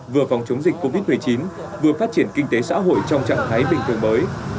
vừa phòng chống dịch covid một mươi chín vừa phát triển kinh tế xã hội trong trạng thái bình thường mới